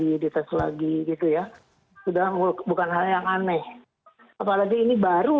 indonesia forward akan segera kembali